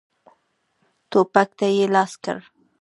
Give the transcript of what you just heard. ټوپک ته یې لاس کړ.